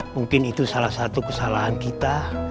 mungkin itu salah satu kesalahan kita